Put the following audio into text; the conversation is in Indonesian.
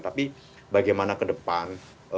tapi bagaimana ke depan